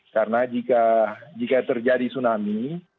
karena jika terjadi tsunami